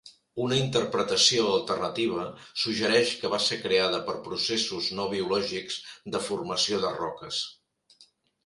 Una interpretació alternativa suggereix que va ser creada per processos no biològics de formació de roques.